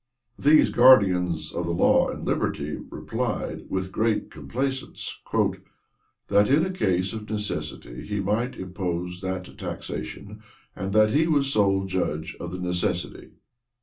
These guardians of law and liberty replied, with great complaisance, "that in a case of necessity he might impose that taxation, and that he was sole judge of the necessity."